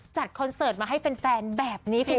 จัดคอนเสิร์ตมาให้แฟนแบบนี้คุณผู้ชมค่ะ